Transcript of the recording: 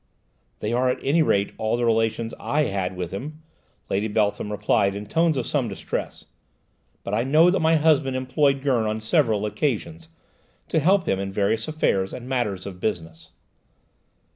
"They are at any rate all the relations I had with him," Lady Beltham replied in tones of some distress; "but I know that my husband employed Gurn on several occasions, to help him in various affairs and matters of business."